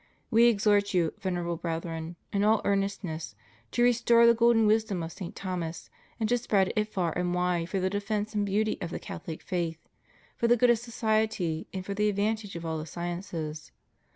We exhort you. Venerable Brethren, in all earnestness to restore the golden wisdom of St. Thomas, and, to spread it far and wide for the defence and beauty of the CathoUc faith, for the good of society, and for the advantage of all the sciences.